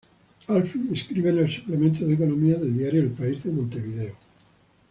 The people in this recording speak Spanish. Alfie escribe en el suplemento de economía del diario El País de Montevideo.